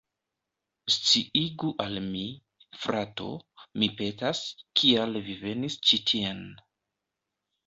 Sciigu al mi, frato, mi petas, kial vi venis ĉi tien.